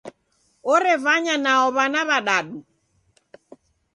Orevanya nao w'ana w'adadu.